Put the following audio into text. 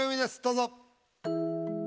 どうぞ。